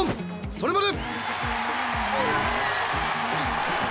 それまで！